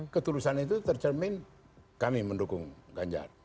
ketulusan itu tercermin kami mendukung ganjar